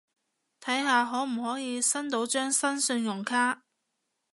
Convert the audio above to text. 睇下可唔可以申到張新信用卡